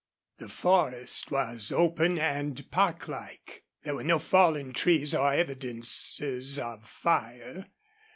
The forest was open and park like. There were no fallen trees or evidences of fire.